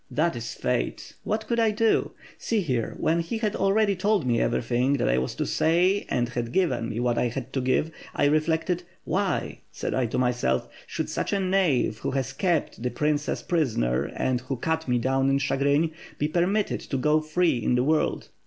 That is fate, what could I do? See here, when he had already told me everything that I was to say and had given me what he had to give, I reflected, 'Why,' said I to myself, 'should such a knave, who has kept the princess prisoner and who cut me down in Chigrin, be per mitted to go free in the world.